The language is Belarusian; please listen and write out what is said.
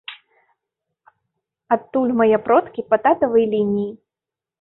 Адтуль мае продкі па татавай лініі.